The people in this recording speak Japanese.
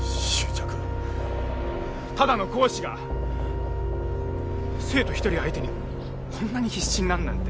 ただの講師が生徒一人相手にこんなに必死になるなんて。